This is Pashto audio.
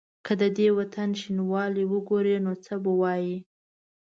که د دې وطن شینوالی وګوري نو څه به وايي؟